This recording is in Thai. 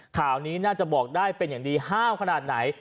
ข่าวนี้น่าจะบอกได้เป็นอย่างดีห้าวขนาดไหน